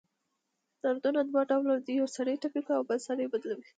دردونه دوه ډؤله دی: یؤ سړی ټپي کوي اؤ بل سړی بدلؤي.